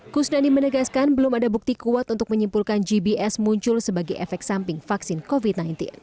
kusnandi menegaskan belum ada bukti kuat untuk menyimpulkan gbs muncul sebagai efek samping vaksin covid sembilan belas